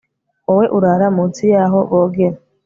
wowe urara munsi yahoo bogera